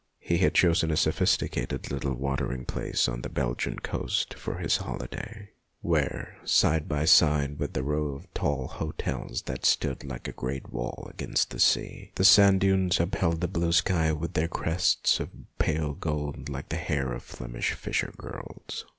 He had chosen a sophisticated little watering place on the Belgian coast for his holiday, where, side by side with the row of tall hotels that stood like a great wall against the sea, the sand dunes upheld the blue sky with their crests of pale gold like the hair of Flemish fisher girls.